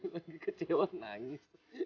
lagi kecewa nangis